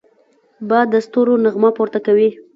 باد د ستورو نغمه پورته کوي